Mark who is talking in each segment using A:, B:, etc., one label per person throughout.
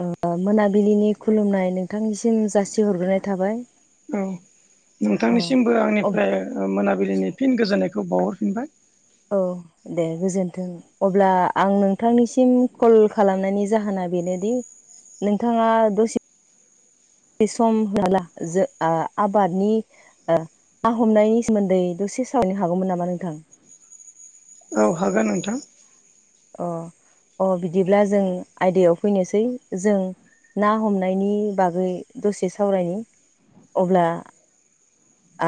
A: ओ मोनाबिलिनि खुलुमनाय नो थांनिसिम जासिहरग्रोनाय थाबाय
B: औ
A: अ औ
B: ओ मोनाबिलिनि फिन गोजोननायखौ बावहरफिनबाय
A: औ दे गोजोनथों। अब्ला आं नोंथांनिसिम कल खालामनायनि जाहोना बेनोदि नोंथाङा दसे सम होनला जो आ आबादनि ना हमनायनि सोमोन्दै दसे सावरायनो हागौमोन नामा नोंथां
B: औ हागोन नोंथां।
A: अ अ बिदिब्ला जों आयदायाव फैनोसै जों ना हमनायनि बागै दसे सावरायनि अब्ला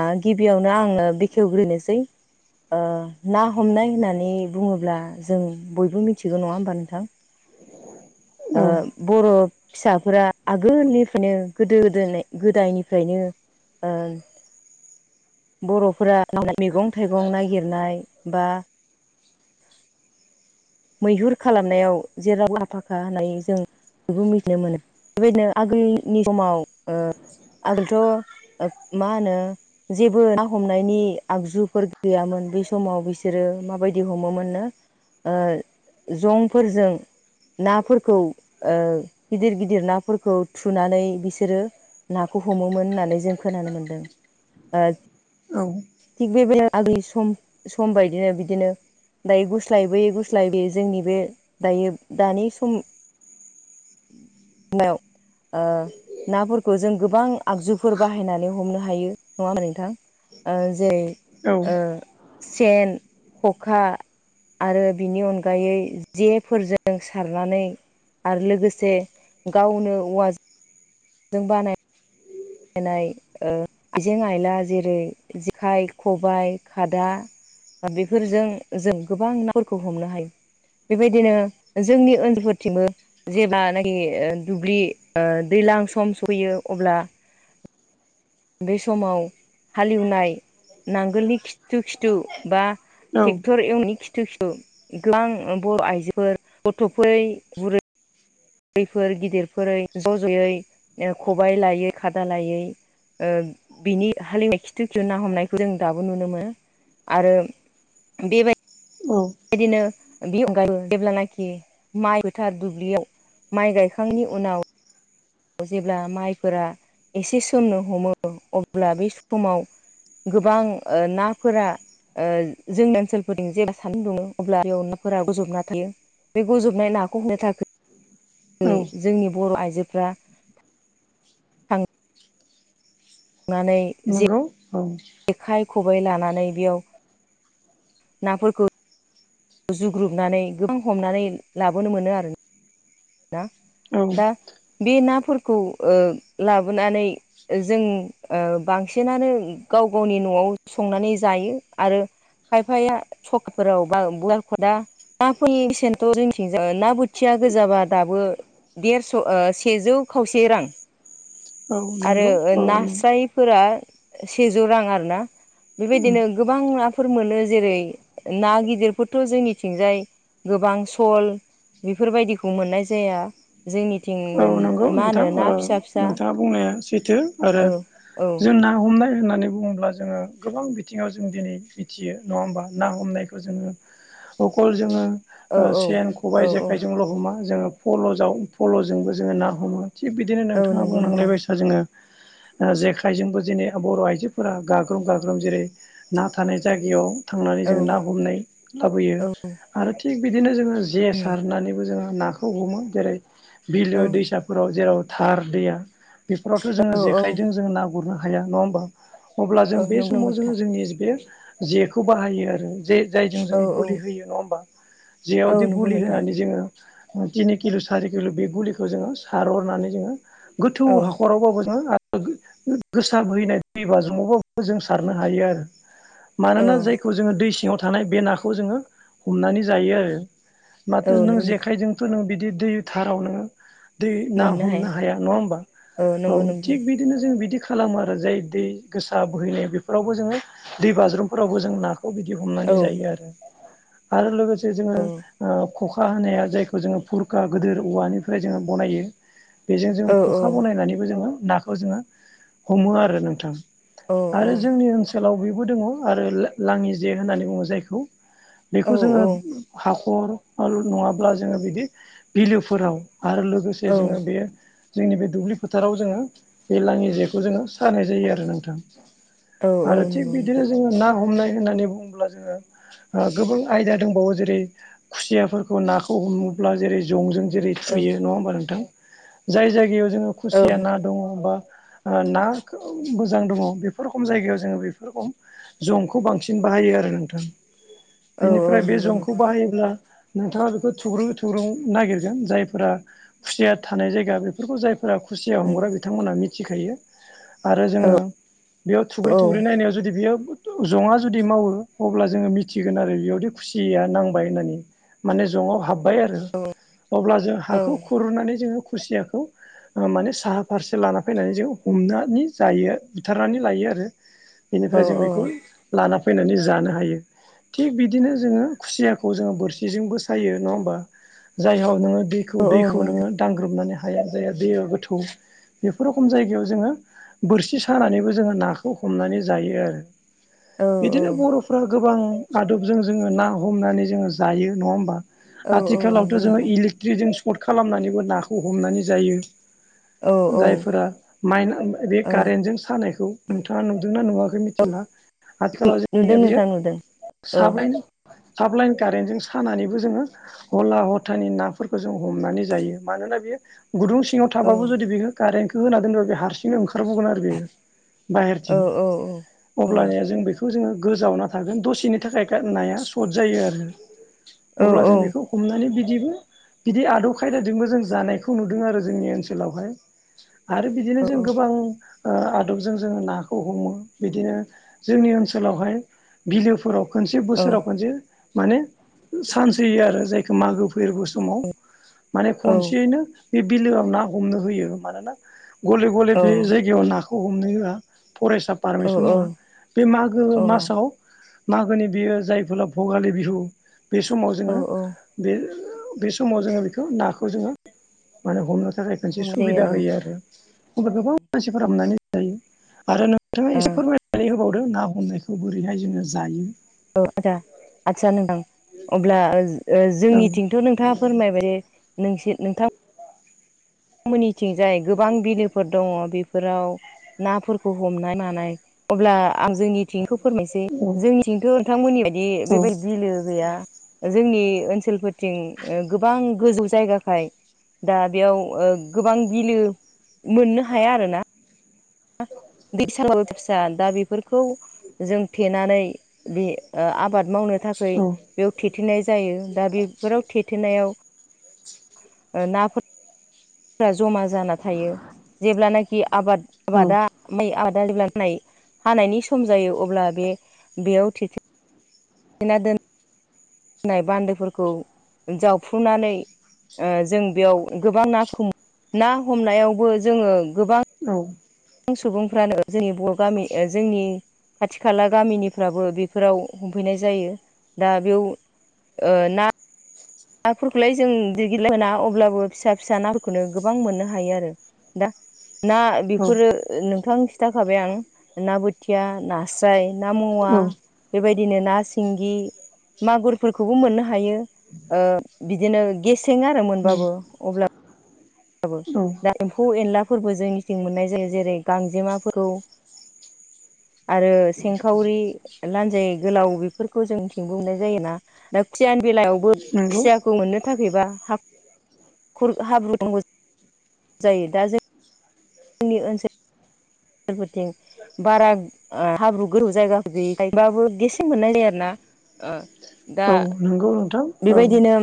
A: ओ गिबियावनो आङो बेखेवग्रोनोसै। ना हमनाय होननानै बुङोब्ला जों बयबो मिथिगौ नङा होमबा नोंथां? ओ
B: औ
A: बर' फिसाफोरा आगोलनिफ्रायनो गोदो -दो गोदायनिफ्रायनो ओं बर'फोरा मैगं-थाइगं नागिरनाय बा मैहुर खालामनायाव जेराव आ फाखा होननानै जों बेखौ मिथिनो मोनो बेबायदिनो आगोलनि समाव आगोलथ' मा होनो जेबो ना हमनायनि आगजुफोर गैयामोन बे समाव बिसोरो माबायदि हमोमोननो ओ जंफोरजों नाफोरखौ गिदिर-गिदिर नाफोरखौ थुनानै बिसोरो नाखौ हमोमोन होननानै जों खोनानो मोनदों।
B: औ
A: थिग बे बेलायाव आगोलनि सम सम बायदिनो बिदिनो दायो गुस्लायबोयै गुस्लायबोयै जोंनि बे दायो दानि समाव नाफोरखौ जों गोबां आगजुफोर बाहायनानै हमनो हायो नङा होमबा नोंथां।
B: औ
A: जेरै-सेन, खखा आरो बिनि अनगायै जेफोरजों सारनानै आरो लोगोसे गावनो औवाजों जों बानाय नाय आयजें-आइला जेरै-जेखाइ, खबाइ, खादा बेफोरजों जों गोबां नाफोरखौ हमनो हायो। बेबायदिनो जोंनि ओनसोलफोरथिंबो जेब्लानाखि दुब्लि दैलां सम सफैयो अब्ला बे समाव हालेवनाय नांगोलनि खिथु-खिथु बा
B: औ
A: ट्रेक्टर एवनायनि खि थु खिथु गोबां बर' आइजोफोर गथ'फोर बुरै बैफोर गिदिरफोरै ज' ज'यै खबाय लायै खादा लायै बिनि हालेवनाय खिथु खिथु ना हमनायखौ जों दाबो नुनो मोनो आरो बेबाय-
B: औ
A: दिनो बिनि अनगायैबो जेब्लानाखि माइ फोथार दुब्लियाव माइ गायखांनायनि उनाव जेब्ला माइफोरा एसे सोमनो हमो अब्ला बे समाव गोबां नाफोरा जोंनि ओनसोलफोरजों जेब्ला सान्दुं दुङो अब्ला बेयाव नाफोरा गोजबना थायो। बे गजबनाय नाखौ होनो
B: औ
A: थाखाय जोंनि बर' आइजोफ्रा नानै
B: नंगौ औ
A: जेखाइ खबाइ लानानै बेयाव नाफोरखौ जुग्रुबनानै गोबां हमनानै लाबोनो मोनो आरो। ना
B: औ
A: दा बे नाफोरखौ ओ लाबोनानै जों ओ बांसिनानो गाव गावनि न'आव संनानै जायो आरो खायफाया सखफोराव बा नाफोरनि बेसेनथ' जोंनिथिंजाय ना बोथिया गोजाब बा दाबो देरस' ओ सेजौ खावसे रां।
B: औ
A: आरो
B: नंगौ औ
A: नास्रायफोरा सेजौ रां आरो ना। बेबायदिनो गोबां नाफोर मोनो जेरै ना गिदिरफोरथ' जोंनिथिंजाय गोबां सल बेफोरबायदिखौ मोननाय जाया जोंनिथिं
B: गौ
A: मा
B: नोंथां
A: होनो ना फिसा फिसा
B: नोंथाङा बुंनाया सैथो आरो
A: औ औ
B: जों ना हमनाय होननानै बुङो ब्ला जोङो गोबां बिथिङाव जों दिनै मिथियो नङा होमबा ना हमनायखौ जोङो अखल जोङो
A: औ
B: ओ
A: औ
B: सेन खबाइ
A: औ औ
B: जेखायजोंल हमा जोंङो फलजाव फलजोंबो जोंङो ना हमो। थिग बिदिनो
A: औ
B: नोंथाङा
A: नंगौ
B: बुंनांनाय
A: नोंथां
B: बायसा जोङो ओ जेखाइजोंबो दिनै बर' आइजोफोरा गाग्रोम गाग्रोम जेरै ना थानाय जायगायाव थांनानै
A: औ
B: जों ना हमनाय लाबोयो
A: औ
B: आरो थिग बिदिनो जोङो जे सारनानैबो जोङो नाखौ हमो जेरै
A: औ
B: बिलो दैसा फोराव जेराव थार दैया बेफोरावथ' जोङो
A: औ
B: जेखाइजों जोङो ना गुरनो हाया नङा होमबा। अब्ला जों
A: औ
B: बे
A: नंगौ नंगौ
B: समाव जोङो
A: नोंथां
B: जोंनि बे जेखौ बाहायो आरो जे जायजों
A: औ
B: जों
A: औ
B: बलि होयो नङा होमबा
A: औ
B: जेयावदि
A: नंगौ
B: बलि
A: नोंथां
B: होनानै जोङो तिनि किल' सारि किल' बे गुलिखौ जोङो सारहरनानै जोङो गोथौ
A: औ
B: हाखरावबाबो जोङो आ ओ गोसा बोहैनाय दै बाज्रुमावबो जों सारनो हायो आरो।
A: औ
B: मानोना जायखौ जोङो दै सिङाव थानाय बे नाखौ जोङो हमनानै जायो आरो। माथो
A: औ
B: नों
A: नंगौ
B: जेखाइजोंथ' नों बिदि दै थाराव नोङो दै ना हमनो हाया नङा होमबा औ
A: नंगौ नंगौ
B: थिग बिद दिनो जों बिदि खालामो आरो जे दै गोसा बोहैनाय बेफोरावबो जोङो दै बाज्रुमफोरावबो जों नाखौ बिदि हमनानै
A: औ
B: जायो आरो आरो लोगोसे जोङो
A: औ
B: ओ खखा होनाया जायखौ जोङो फुरखा गिदिर औवानिफ्राय जोङो बानायो। बेजों जों
A: औ औ
B: खखा बानायनानैबो जोङो नाखौ जोङो हमो आरो नोंथां।
A: औ
B: आरो जोंनि ओनसोलाव बेबो दङ आरो लाङि जे होननानै बुङो जायखौ। बेखौ जोङो
A: औ
B: हाखर आरो नङाब्ला जोङो बिदि बिलोफोराव आर लोगोसे
A: औ
B: जोङो बेयो जोंनि बे दुब्लि फोथाराव जोङो बे लाङि जेखौ जोङो सानाय जायो आरो नोंथां।
A: औ औ
B: आरो थिग
A: नंगौ
B: बिदिनो
A: नोंथां
B: जोङो ना हमनाय होननानै बुङोब्ला जोङो ओ गोबां आयदा दंबावो जेरै खुसियाफोरखौ नाखौ हमोब्ला जेरै जंजों जेरै
A: औ
B: थुयो नङा होमबा नोंथां जाय जायगायाव जोङो
A: औ
B: खुसिया ना दङ बा ओ ना गोबां मोजां दङ बेफोर रखम जायगायाव जोङो बेफोर रखम जंखौ बांसिन बाहायो आरो नोंथां
A: औ औ
B: बेनिफ्राय बे
A: नंगौ
B: जंखौ
A: नोंथां
B: बाहायोब्ला नोंथाङा बेखौ थुग्रुब थुग्रुं नागिरगोन जायफोरा खुसिया थानाय जायगा बेफ फोरखौ जायफोरा खुसिया हमग्रा बिथांमोनहा मिथिखायो आरो जोङो बेयाव
A: औ
B: थुग्रो थुग्रो नायाव जुदि बेयो जनङा जुदि मावो अब्ला जोङो मिथिगोन आरो बेयावदि खुसिया नांबाय होननानै। माने जङाव हाबबाय आरो
A: औ
B: अब्ला जों
A: औ
B: हाखौ खुरनानै जोङो खुसियाखौ माने साहा फारसे लाना फैनानै जों हमनानै जायो बुथारनानै लायो आरो। बेनिफ्राय जों बेखौ लाना फैनानै जानो हायो। थिग बिदिनो जोङो खुसियाखौ जोङो बोरसिजोंबो सायो नङा होमबा जायहाव नोङो दै खौ
A: औ औ
B: दैखौ
A: नंगौ
B: नोङो
A: नोंथां
B: दांग्रोमनानै हाया जायहा दैया गोथौ बेफोर रखम जायगायाव जोङो बोरसि सानानैबो जोङो नाखौ हमनानै जायो आरो।
A: औ
B: बिदिनो बरफ' फ्रा षगोबां आदबजों जोङो ना हमनानै जोङो जायो नङा होमबा?
A: औ औ
B: आथिखालावथ'
A: नंगौ
B: जोङो
A: नोंथां
B: इलेक्ट्रिजों सर्ट खालामनानैबो नाखौ हमनानै जायो।
A: औ औ
B: जायफोरा माइना बे कारेन्टजों सानायखौ नोंथाङा नुदोंना नुवा हले
A: औ
B: मिथिला आथिखालाव
A: नुदों
B: जोंनिया बियो
A: नोंथां नुदों औ औ
B: साब्रै साब लाइन कारेन्टजों सानानैबो जोङो हला हथानि नाफोरखौ जों हमनानै जायो मानोना बेयो गुदुं सिङाव
A: औ
B: थाबाबो जुदि बियो कारेन्टखौ होना दोनबा बे हारसिंनो ओंखारबोगोन आरो बेयो
A: औ
B: बाहेरथिं। अब्लानिया जों बेखौ जोङो गोजावना थागोन दसेनि थाखाय खा-नाया सर्ट जायो आरो।
A: औ
B: अब्ला जों बेखौ हमनानै बिदिबो बिदि आदब खायदाजोंबो जों जानायखौ नुदों आरो जोंनि ओनसोलावहाय। आरो बिदिनो जों गोबां ओ आदबजों जोङो नाखौ हमो, बिदिनो जोंनि ओनसोलावहाय बिलोफोराव खनसे बोसोराव खनसे माने चान्च होयो आरो जायखौ मागो फोरबो समाव माने खनसेयैनो बे बिलोआव ना हमनो होयो मानोना गले गले बे जायगायाव नाखौ हमनो होआ फरेस्टआ पारमिसन होआ। बे मागो
A: औ
B: मासाव मागोनि बियो जायफोरा भगालि बिहु बे समाव
A: औ
B: जोङो बे बे समाव जोङो बेखौ नाखौ जोङो माने हमनो थाखाय मोनसे
A: हमनाय
B: सुबिदा
A: जायो
B: होयो आरो। ओमफ्राय गोबां मानसिफोर हाबनानै जायो आरो नोंथाङा एसे
A: आरोना
B: फोरमाय नानै होबावदो, ना हमनायखौ बोरैहाय जोङो जायो।
A: अ' आदा आथसा नोंथां अब्ला ओ
B: औ
A: जोंनिथिंथ' नोथाङा फोरमायबाय जे नोंसि-नोंथां मोनिथिंजाय गोबां बिलोफोर दङ' बेफोराव नाफोरखौ हमनाय मानाय अब्ला आं जोंनि थिंखौ फोरमायसै, जोंनिथिंथ' नोंथांमोननि बायदि
B: औ
A: बेबाय बिलो गैया जोंनि ओनसोलफोरथिं ओ गोबां गोजौ जायगाखाय दा बेयाव ओ गोबां बिलो मोन्नो हाया आरो ना। दै [unintelligible] दा बेफोरखौ जों थेनानै बे ओ आबाद मावनो थाखै
B: औ
A: बेयाव थेथेनाय जायो दा बेफोराव थेथेनायाव ओ नाफोरा जमा जाना थायो जेब्लानाखि आबाद
B: औ
A: आबादा माइ आदा [unintelligible] नाय हानायनि सम जायो अब्ला बे बेयाव थेथे ना दोन नाय बान्दोफोरखौ जावफ्रुनानै ओ जों बेयाव गोबां ना [unintelligible] ना हमनायावबो जोङो गोबां
B: औ।
A: गोबां सुबुंफ्रानो जोंनि बर' गामि ओ जोंनि खाथि खाला गामिनिफ्राबो बेफोराव हमफैनाय जायो दा बेयाव ओ ना नाफोरखौलाय जों दिगिल लाय मोना अब्लाबो फिसा फिसा नाफोरखौनो गोबां मोननो हायो आरो। दा ना बेफोरो नोंथां खिन्थाखाबाय आं ना बोथिया ना स्राइ, ना मावा
B: औ
A: बेबायदिनो ना सिंगि, मागुरफोरखौबो मोननो हायो। ओ बिदिनो गेसें आरो मोनबाबो। अब्ला
B: औ
A: दा एम्फौ एनलाफोरबो जोंनिथिं मोननाय जायो जेरै गांजेमाफोरखौ आरो सेंखावरि लान्जाइ गोलाव बेफोरखौ जोंनिथिंबो मोननाय जायोना, दा खुसियानि बेलायावबो
B: नंगौ
A: खुसिया खौ मोन्नो थाखायबा हाखर हाब्रु दंग' जायो दा जों नि ओनसोलफोरथिं बारा ओ हाब्रु गोरौ जायगाफोर गैयिखायबाबो गेसें मोननाय जायो आरोना ओ दा
B: नोंगौ नोंथां औ
A: बेबायदिनो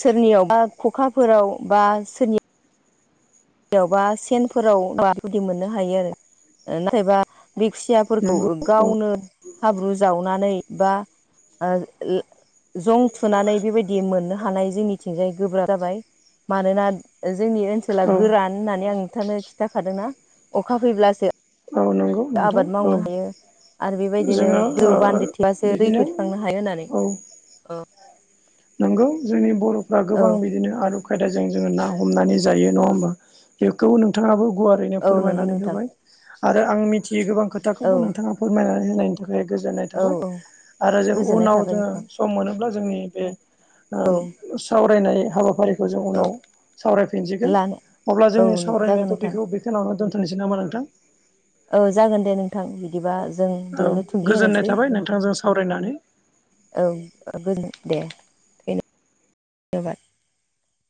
A: सोरनियाव बा खखाफोराव बा सोरनि यावबा सेनफोरावदि मोननो हायो आरो नाथायबा बिक्सिया फोरखौ
B: नंगौ औ
A: गावनो हाब्रु जावनानै बा जं थुनानै बेबायदि मोननो हानाय जोंनिथिंजाय गोब्राब जाबाय मानोना जोंनि ओनसोला
B: औ
A: गोरान होननानै आं नोंथांनो खिन्थाखादोंना अखा फैब्लासो
B: औ नंगौ नोंथां
A: आबाद
B: औ
A: मावनो हायो। आरो बेबायदिनो
B: जोङो
A: [unintelligible]
B: ओ
A: दैखौ
B: बिदिनो
A: थिखांनो हायो होननानै
B: नोंगौ जोंनि बर'फ्रा
A: औ
B: गोबां बिदिनो आदब खायदाजों जोङो ना हमनानै जायो नङा होमबा? बेखौ नोंथाङाबो गुवारैनो
A: औ नंगौ
B: फोरमायनानै
A: नोंथां
B: होबाय आरो आं मिथियोै गोबां
A: औ
B: खोथाखौबो नोंथाङा फोरमायनानै होनायनि थाखाय गोजोननाय थाबाय
A: औ
B: आरो जों
A: गोजोननाय
B: उनाव
A: थाबाय
B: जोङो
A: नोंथां
B: सम मोनोब्ला जोंनि बे
A: औ
B: सावरायनाय हाबाफारि खौ जों
A: औ
B: उनाव सावरायफिनसिगोन
A: लानो
B: अब्ला
A: औ
B: जोंनि
A: जागोन
B: सावरायनायाथ'
A: नोंथां
B: बेखौ बेयावनो दोनथ'सै नामा नोंथां?
A: औ जागोन दे नोंथां बिदिबा जों
B: औ
A: बेयावनो थुंगि
B: गोजोननाय
A: होनोसै
B: थाबाय नोंथांजों सावरायनानै
A: औ [unintelligible] दे थैनो जाबाय